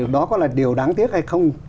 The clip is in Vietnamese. đó có là điều đáng tiếc hay không